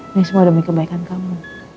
ini semua demi kebaikan kamu